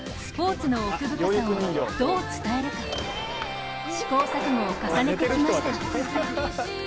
スポーツの奥深さをどう伝えるか試行錯誤を重ねてきました。